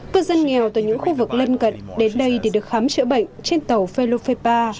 phương dân nghèo từ những khu vực lân cận đến đây để được khám chữa bệnh trên tàu pelopepa